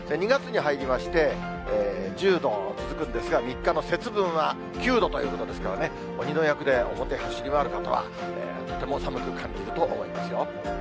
２月に入りまして、１０度続くんですが、３日の節分は９度ということですからね、鬼の役で表走り回る方は、とても寒く感じると思いますよ。